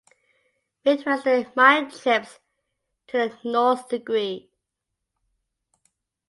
Midwestern mindtrips to the nth degree.